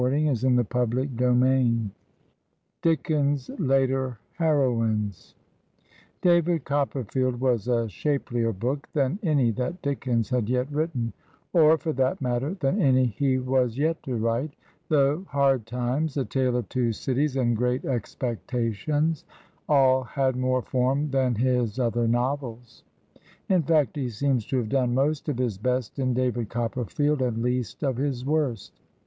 Digitized by VjOOQIC DICKENS'S LATER HEROINES "pvAVID COPPERFIELD" was a shapelier book L/ than any that Dickens had yet written, or, for that matter, than any he was yet to write; though ''Hard Times/' "A Tale of Two Cities/' and "Great Expectations " all had more form than his other novels. In fact, he seems to have done most of his best in " David Copperfield," and least of his worst.